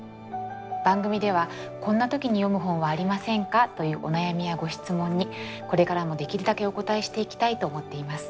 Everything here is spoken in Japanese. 番組では「こんな時に読む本はありませんか？」というお悩みやご質問にこれからもできるだけお答えしていきたいと思っています。